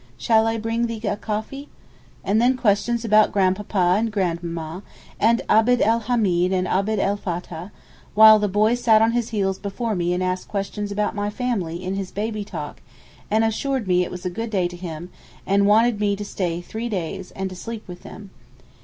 'Shall I bring thee a coffee?' and then questions about grandpapa and grand mamma, and Abd el Hameed and Abd el Fattah; while the boy sat on his heels before me and asked questions about my family in his baby talk, and assured me it was a good day to him, and wanted me to stay three days, and to sleep with them.